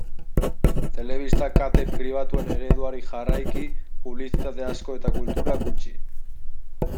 Telebista kate pribatuen ereduari jarraiki publizitate asko eta kultura gutxi.